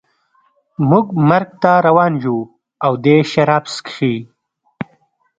موږ مرګ ته روان یو او دی شراب څښي